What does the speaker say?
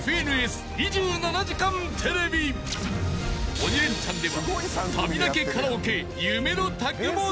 ［『鬼レンチャン』では］